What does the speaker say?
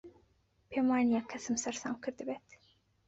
پێم وا نییە کەسم سەرسام کردبێت.